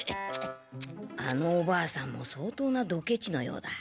あのおばあさんもそうとうなドケチのようだ。